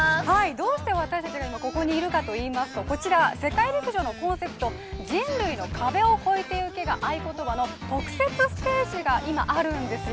どうして私たちが今、ここにいるかといいますとこちら、世界陸上のコンセプト「人類の壁を超えてゆけ」が合い言葉の特設ステージが今、あるんですよ。